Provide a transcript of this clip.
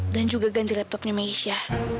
dan juga ganti laptopnya mesha